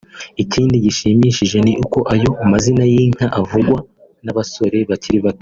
Ikindi gishimishije ni uko ayo mazina y’inka avugwa n’abasore bakiri bato